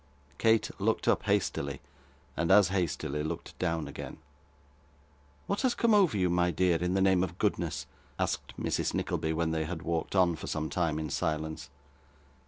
Kate looked up hastily, and as hastily looked down again. 'What has come over you, my dear, in the name of goodness?' asked Mrs Nickleby, when they had walked on, for some time, in silence.